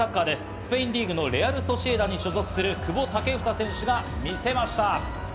スペインリーグのレアル・ソシエダに所属する久保建英選手が見せました。